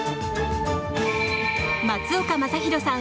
松岡昌宏さん